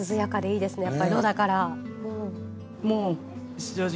やっぱり絽だから。